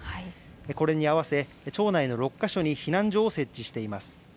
これに合わせ町内の６か所に避難所を設置しています。